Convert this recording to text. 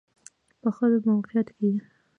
په ښه موقعیت کې و.